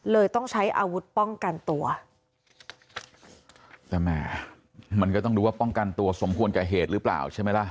ต้องใช้อาวุธป้องกันตัวแต่แหมมันก็ต้องดูว่าป้องกันตัวสมควรกับเหตุหรือเปล่าใช่ไหมล่ะ